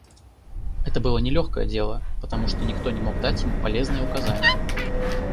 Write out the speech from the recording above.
Это было нелегкое дело, потому что никто не мог дать ему полезные указания.